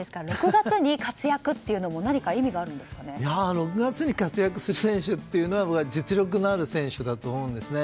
６月に活躍っていうのも６月に活躍する選手は実力のある選手だと思うんですね。